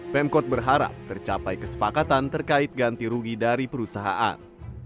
pemkot berharap tercapai kesepakatan terkait ganti rugi dari perusahaan